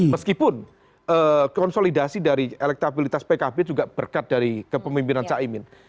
meskipun konsolidasi dari elektabilitas pkb juga berkat dari kepemimpinan caimin